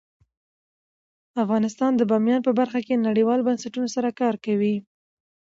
افغانستان د بامیان په برخه کې نړیوالو بنسټونو سره کار کوي.